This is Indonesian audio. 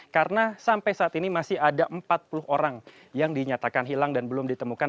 karena sampai saat ini masih ada empat puluh orang yang dinyatakan hilang dan belum ditemukan